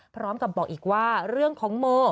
พร้อมกับบอกอีกว่าเรื่องของโม